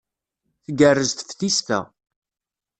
Tgerrez teftist-a.